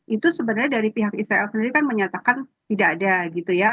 itu sebenarnya dari pihak israel sendiri kan menyatakan tidak ada gitu ya